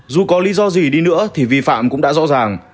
dù có lý do gì đi nữa thì vi phạm cũng đã rõ ràng